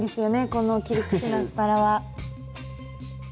この切り口のアスパラは。